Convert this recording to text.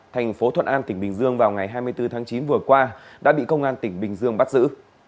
thành phố thuận an tỉnh bình dương vào ngày hai mươi bốn tháng chín vừa qua đã bị công an tỉnh bình dương bắt giữ